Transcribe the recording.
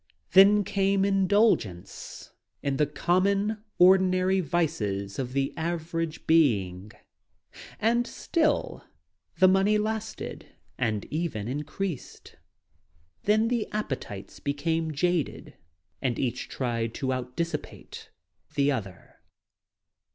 Then came indulgence in the common, ordinary vices of the average being. And still the money lasted and even increased. Then tne appetites became jaded and each tried to out dissipate the other.